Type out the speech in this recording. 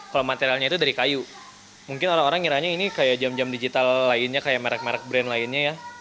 kalau materialnya itu dari kayu mungkin orang orang ngiranya ini kayak jam jam digital lainnya kayak merek merek brand lainnya ya